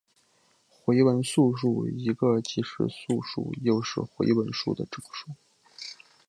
回文素数是一个既是素数又是回文数的整数。